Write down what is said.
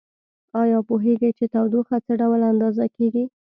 ایا پوهیږئ چې تودوخه څه ډول اندازه کیږي؟